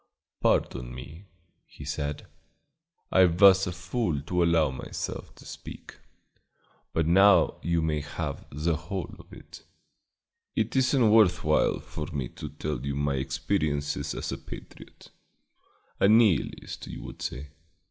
"Pardon me," he said. "I was a fool to allow myself to speak, but now you may have the whole of it. It is n't worth while for me to tell you my experiences as a patriot a Nihilist, you would say.